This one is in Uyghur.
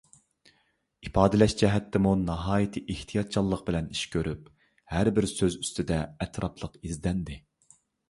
ئىپادىلەش جەھەتتىمۇ ناھايىتى ئېھتىياتچانلىق بىلەن ئىش كۆرۈپ، ھەربىر سۆز ئۈستىدە ئەتراپلىق ئىزدەندى.